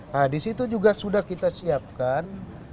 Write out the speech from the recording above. nah di situ juga sudah kita siapkan